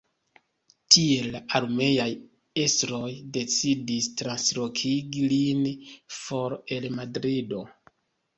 Tiel, la armeaj estroj decidis translokigi lin for el Madrido.